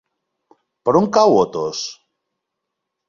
Per on cau Otos?